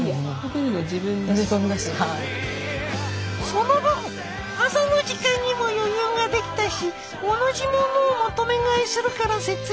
その分朝の時間にも余裕ができたし同じものをまとめ買いするから節約に。